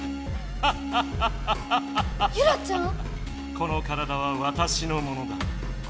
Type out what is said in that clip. この体はわたしのものだ。